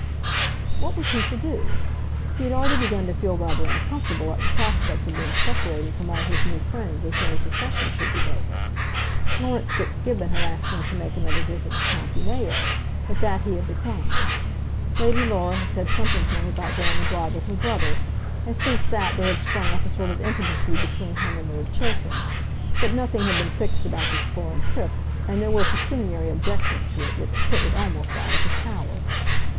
What was he to do? He had already begun to feel rather uncomfortable at the prospect of being separated from all his new friends as soon as the session should be over. Laurence Fitzgibhon had asked him to make another visit to county Mayo, but that he had declined. Lady Laura had said something to him about going abroad with her brother, and since that there had sprung up a sort of intimacy between him and Lord Chiltern; but nothing had been fixed about this foreign trip, and there were pecuniary objections to it which put it almost out of his power.